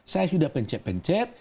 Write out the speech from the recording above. saya sudah pencet pencet